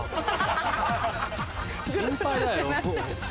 心配だよ。